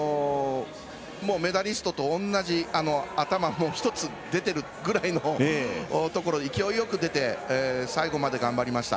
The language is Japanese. メダリストと同じ頭１つ出てるぐらいの勢いよく出て最後まで頑張りました。